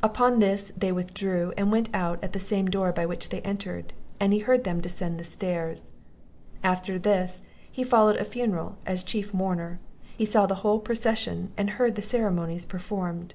Upon this, they withdrew, and went out at the same door by which they entered, and he heard them descend the stairs. After this, he followed a funeral as chief mourner; he saw the whole procession, and heard the ceremonies performed.